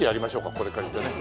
これ借りてね。